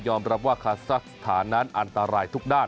รับว่าคาซักสถานนั้นอันตรายทุกด้าน